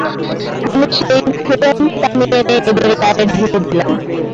আমি সেই ফুটন্ত পানি এনে এদের গায়ে ঢেলে দিলাম।